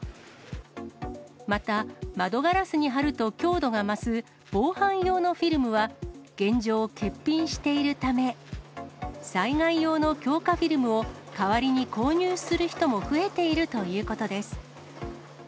また、窓ガラスに貼ると強度が増す防犯用のフィルムは現状、欠品しているため、災害用の強化フィルムを代わりに購入する人も増えているということです。